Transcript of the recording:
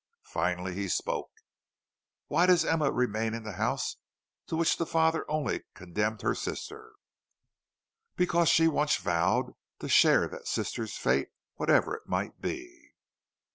Finally he spoke: "Why does Emma remain in the house to which the father only condemned her sister?" "Because she once vowed to share that sister's fate, whatever it might be."